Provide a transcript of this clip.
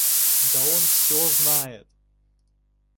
Да он все знает.